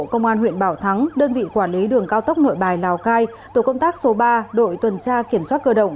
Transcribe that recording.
công an huyện bảo thắng đơn vị quản lý đường cao tốc nội bài lào cai tổ công tác số ba đội tuần tra kiểm soát cơ động